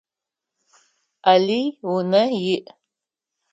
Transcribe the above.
Алый унэ иӏ.